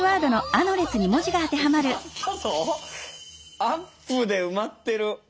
「アップ」で埋まってる！